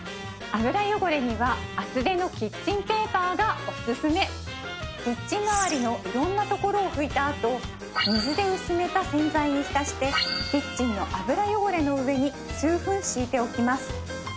油汚れには厚手のキッチンペーパーがおすすめキッチン周りのいろんなところを拭いたあと水で薄めた洗剤に浸してキッチンの油汚れの上に数分敷いておきます